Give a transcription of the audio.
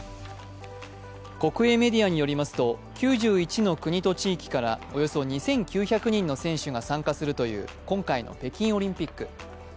国営メディアによりますと９１の国と地域からおよそ２９００人の選手が参加するという今回の北京オリンピック。